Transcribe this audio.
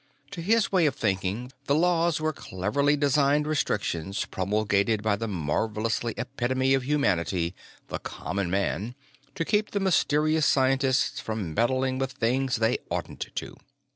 To his way of thinking, the laws were cleverly designed restrictions promulgated by that marvelous epitome of humanity, the common man, to keep the mysterious scientists from meddling with things they oughtn't to.